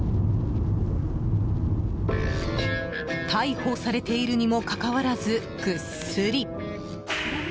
逮捕されているにもかかわらずぐっすり。